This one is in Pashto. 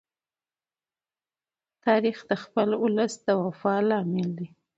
تاریخ د خپل ولس د وفا لامل دی.